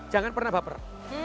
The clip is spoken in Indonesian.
jangan pernah baper